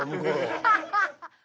ハハハハ！